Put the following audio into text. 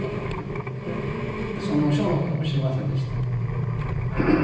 その賞のことも知りませんでした。